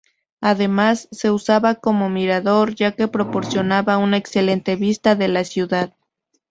Además, se usaba como mirador, ya que proporcionaba una excelente vista de la ciudad.